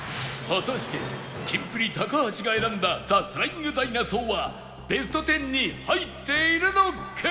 果たしてキンプリ橋が選んだザ・フライング・ダイナソーはベスト１０に入っているのか？